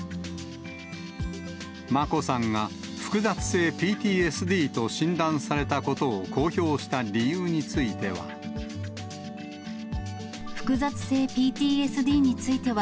眞子さんが複雑性ＰＴＳＤと診断されたことを公表した理由については。